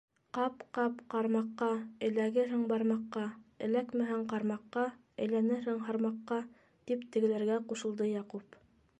- Ҡап-ҡап ҡармаҡҡа, эләгерһең бармаҡҡа, эләкмәһәң ҡармаҡҡа, әйләнерһең һармаҡҡа, - тип тегеләргә ҡушылды Яҡуп.